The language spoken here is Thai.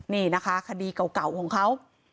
นี่นะคะคดีเก่าของเขา